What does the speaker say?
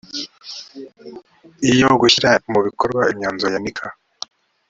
iyo gushyira mu bikorwa imyanzuro ya nika